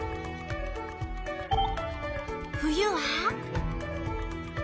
冬は？